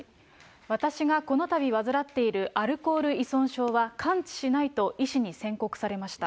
私がこのたび患っているアルコール依存症は完治しないと医師に宣告されました。